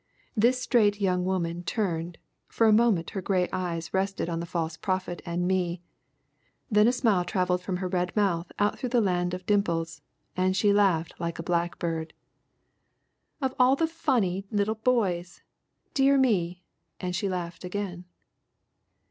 This straight young woman turned, for a moment her grey eyes rested on the False Prophet and me, then a smile travelled from her red mouth out through the land of dimples, and she laughed like a blackbird. "Of all the funny little boys! Dear me!" And she laughed again.